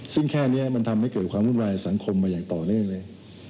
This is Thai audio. ซึ่งแค่นี้มันทำให้เกิดความวุ่นวายสังคมมาอย่างต่อเนื่องเลย